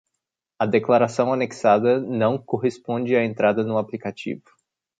A declaração anexada não corresponde à entrada no aplicativo.